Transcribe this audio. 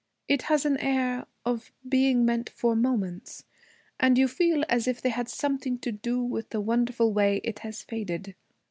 It has an air of being meant for moments. And you feel as if they had something to do with the wonderful way it has faded.'